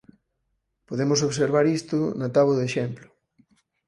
Podemos observar isto na táboa de exemplo.